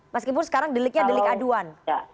meskipun sekarang deliknya delik aduan